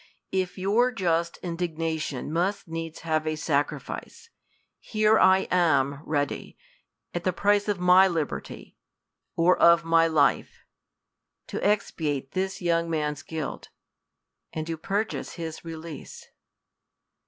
If your just indignation must needs have a sacrifice, here 1 am ready, at the price of my liberty or of my life, to expiate this young man's guilt, and to purchase his release